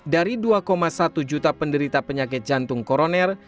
dari dua satu juta penderita penyakit jantung koroner